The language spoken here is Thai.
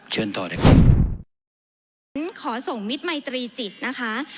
เชิญต่อได้ครับขอส่งมิตรไมค์ตรีจิตนะคะ